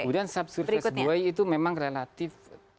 kemudian subsurface buoy itu memang relatif